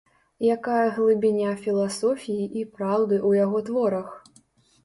Якая глыбіня філасофіі і праўды ў яго творах.